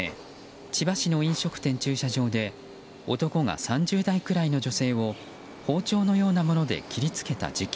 千葉市の飲食店駐車場で男が、３０代くらいの女性を包丁のようなもので切り付けた事件。